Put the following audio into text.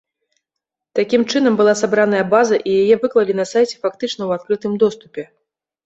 Такім чынам была сабраная база і яе выклалі на сайце фактычна ў адкрытым доступе.